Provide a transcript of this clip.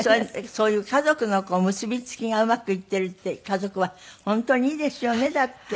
そういう家族の結びつきがうまくいっているっていう家族は本当にいいですよねだって。